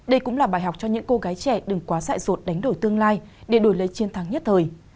đây cũng là bài học cho những cô gái trẻ đừng quá dại rột đánh đổi tương lai để đổi lấy chiến thắng nhất thời